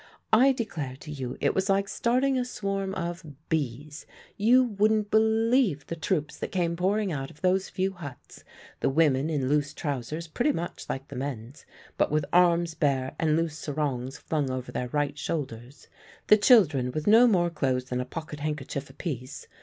I declare to you it was like starting a swarm of bees. You wouldn't believe the troops that came pouring out of those few huts the women in loose trousers pretty much like the men's, but with arms bare and loose sarongs flung over their right shoulders, the children with no more clothes than a pocket handkerchief apiece.